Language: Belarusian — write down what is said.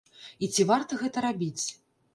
І ці варта гэта рабіць?